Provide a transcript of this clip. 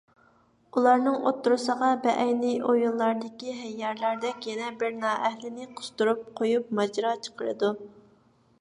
ئۇلارنىڭ ئوتتۇرىسىغا بەئەينى ئويۇنلاردىكى ھەييارلاردەك يەنە بىر نائەھلىنى قىستۇرۇپ قويۇپ ماجىرا چىقىرىدۇ.